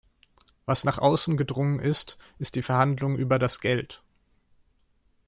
Was nach außen gedrungen ist, ist die Verhandlung über das Geld.